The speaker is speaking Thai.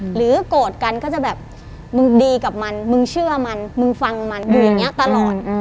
โกรธกันก็จะแบบมึงดีกับมันมึงเชื่อมันมึงฟังมันอยู่อย่างนี้ตลอด